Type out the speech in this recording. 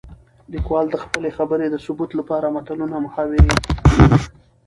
ليکوال د خپلې خبرې د ثبوت لپاره متلونه ،محاورې